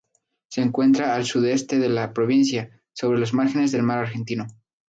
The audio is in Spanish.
Se encuentra al sudeste de la provincia, sobre las márgenes del mar Argentino.